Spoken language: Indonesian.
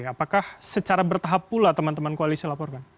apakah secara bertahap pula teman teman koalisi laporkan